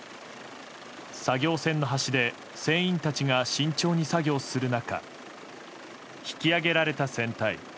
作業船の端で船員たちが慎重に作業する中引き揚げられた船体。